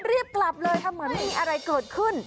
รีบกลับเลยค่ะเหมือนไม่มีอะไรเกิดขึ้น